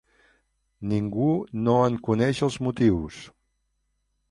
Ningú no en coneix els motius.